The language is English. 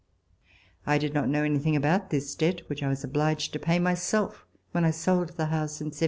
I did not know anything about this debt, which I was obliged to pay myself when I sold the house in 1797.